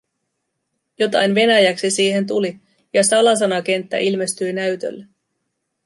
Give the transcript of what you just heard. Jotain venäjäksi siihen tuli ja salasanakenttä ilmestyi näytölle.